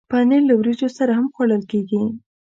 پنېر له وریجو سره هم خوړل کېږي.